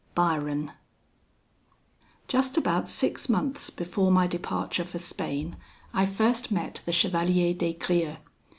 BYRON. Just about six months before my departure for Spain, I first met the Chevalier des Grieux.